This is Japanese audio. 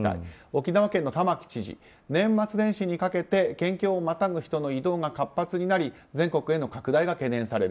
沖縄県の玉城知事年末年始にかけて県境をまたぐ人の移動が活発になり全国への拡大が懸念される。